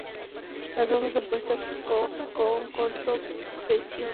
Las hojas opuestas con corto pecíolo, oblongas, brillantes, enteras.